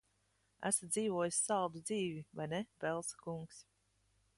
Esat dzīvojis saldu dzīvi, vai ne, Velsa kungs?